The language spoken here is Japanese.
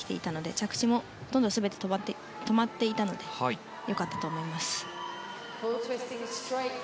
着地もほとんど全て止まっていたので良かったと思います。